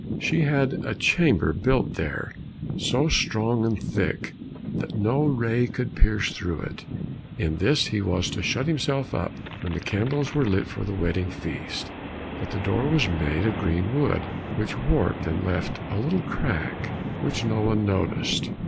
She had a chamber built there, so strong and thick that no ray could pierce through it; in this he was to shut himself up when the candles were lit for the wedding feast. But the door was made of green wood which warped and left a little crack which no one noticed.